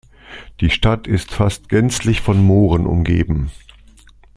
Die Stadt ist fast gänzlich von Mooren umgeben.